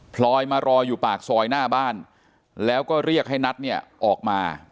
ลอยมารออยู่ปากซอยหน้าบ้านแล้วก็เรียกให้นัทเนี่ยออกมา